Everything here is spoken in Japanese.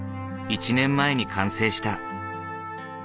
１年前に完成した。